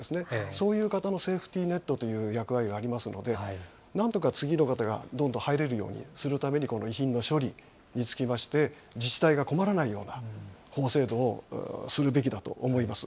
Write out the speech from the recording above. そういう方のセーフティーネットという役割がありますので、なんとか次の方がどんどん入れるようにするために、この遺品の処理につきまして、自治体が困らないような法制度をするべきだと思います。